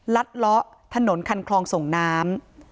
ลัดล้อถนนคันคลองส่งน้ำ